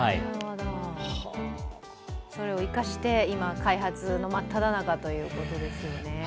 それを生かして、今開発のまっただ中ということですよね。